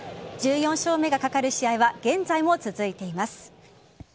１４勝目がかかる試合は現在も続いています。